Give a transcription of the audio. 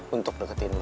untuk deketin lo